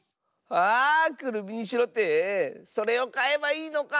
あくるみにしろってそれをかえばいいのか！